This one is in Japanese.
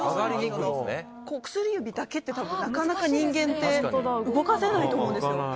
薬指だけってなかなか人間って動かせないと思うんですよ。